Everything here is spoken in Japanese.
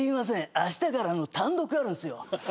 あしたから単独あるんですよ。